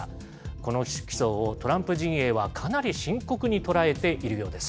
この起訴を、トランプ陣営はかなり深刻に捉えているようです。